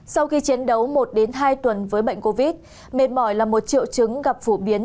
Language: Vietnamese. sau khi chiến đấu một đến hai tuần với bệnh covid mệt mỏi là một triệu chứng gặp phổ biến